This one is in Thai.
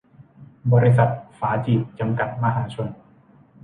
บริษัท ฝาจีบ จำกัด มหาชน